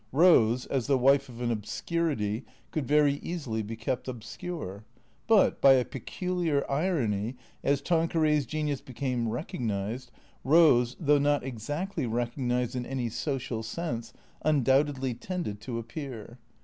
Rose, as the wife of an obscurity, could very easily be kept obscure. But, by a peculiar irony, as Tanqueray's genius became recognized, Eose, though not exactly recognized in any social sense, un doubtedly tended to appear.